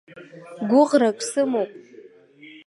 Гәыӷрак сымоуп.